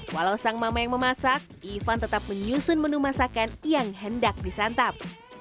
walau sang mama yang memasak ivan tetap menyusun menu masakan yang hendak disantap